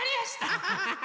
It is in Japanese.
アハハハ！